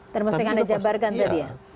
termasuk yang anda jabarkan tadi ya